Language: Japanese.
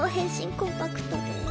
コンパクトで。